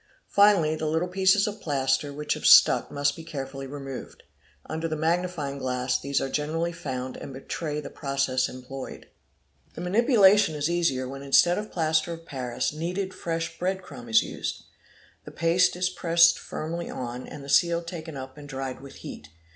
Finally the little pieces of plaster which have stuck must be carefully removed. Under the magnifying glass these are generally found and betray the process employed. | The manipulation is easier when instead of plaster of paris kneaded | fresh bread crumb is used. The paste is pressed firmly on, and the seal — taken up and dried with heat.